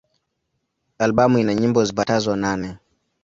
Albamu ina nyimbo zipatazo nane.